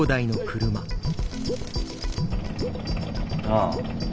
ああ。